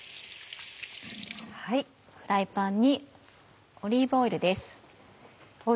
フライパンにオリーブオイルです。